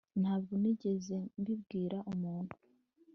ntabwo nigeze mbibwira umuntu